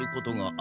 あ？